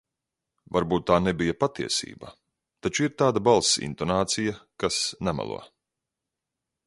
Varbūt tā nebija patiesība, taču ir tāda balss intonācija, kas nemelo.